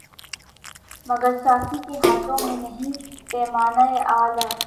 مگر ساقی کے ہاتھوں میں نہیں پیمانۂ الا